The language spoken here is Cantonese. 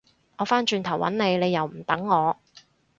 我返轉頭搵你，你又唔等我